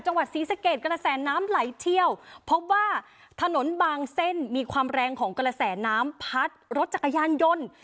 จังหวัดศรีสะเกดกระแสน้ำไหลเชี่ยวพบว่าถนนบางเส้นมีความแรงของกระแสน้ำพัดรถจักรยานยนต์